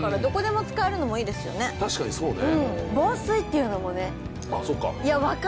確かにそうね。